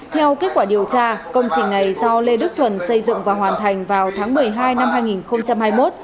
theo kết quả điều tra công trình này do lê đức thuần xây dựng và hoàn thành vào tháng một mươi hai năm hai nghìn hai mươi một